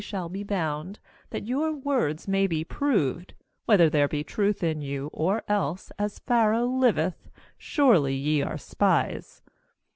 2 shall be bound, that your words may be proved, whether there be truth in you; or else, as Pharaoh liveth, surely ye are spies.